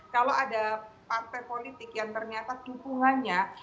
kalau ada partai politik yang ternyata dukungannya